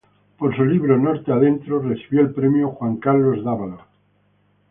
Por su libro "Norte adentro" recibió el premio Juan Carlos Dávalos.